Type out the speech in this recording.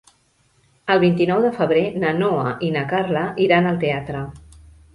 El vint-i-nou de febrer na Noa i na Carla iran al teatre.